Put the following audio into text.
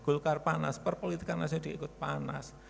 golkar panas perpolitika nasional juga ikut panas